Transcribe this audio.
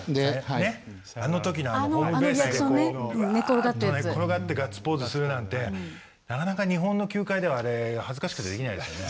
ねっあのときのホームベースでこうぐわっと寝転がってガッツポーズするなんてなかなか日本の球界ではあれ恥ずかしくてできないですよね。